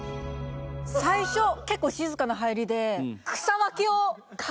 最初結構静かな入りで。